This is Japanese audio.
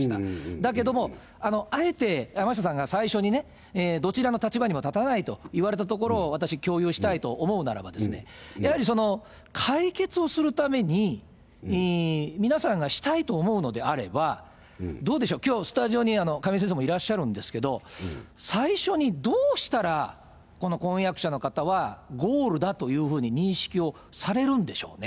だけども、あえて山下さんが最初にね、どちらの立場にも立たないと言われたところを私、共有したいと思うならば、やはり解決をするために、皆さんがしたいと思うのであれば、どうでしょう、きょう、スタジオに亀井先生もいらっしゃるんですが、最初にどうしたら、この婚約者の方はゴールだというふうに認識をされるんでしょうね。